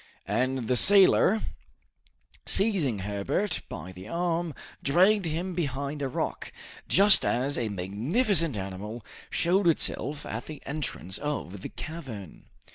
And the sailor, seizing Herbert by the arm, dragged him behind a rock, just as a magnificent animal showed itself at the entrance of the cavern.